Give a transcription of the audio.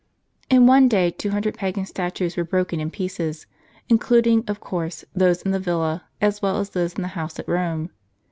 In one day two hundred pagan statues were broken in pieces, including, of course, those in the villa, as well as those in the house at Rome.